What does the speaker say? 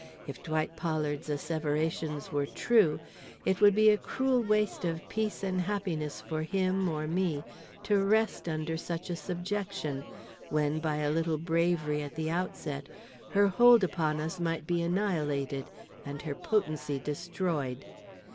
If Dwight Pollard's asseverations were true, it would be a cruel waste of peace and happiness for him or me to rest under such a subjection, when by a little bravery at the outset her hold upon us might be annihilated and her potency destroyed.